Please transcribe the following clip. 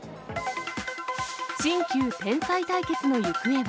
新旧天才対決の行方は？